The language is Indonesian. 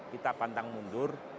kita pantang mundur